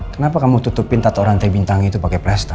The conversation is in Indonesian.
kenapa kamu tutupin tato rantai bintang itu pakai plaster